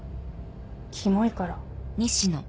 キモいから。